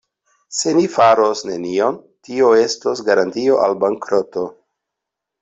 Se ni faros nenion, tio estos garantio al bankroto.